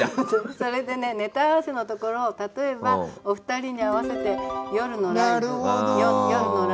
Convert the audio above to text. それで「ネタ合わせ」のところを例えばお二人に合わせて「夜のライブ終わるやトイレに」。